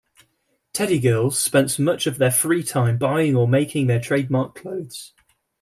Teddy Girls spent much of their free time buying or making their trademark clothes.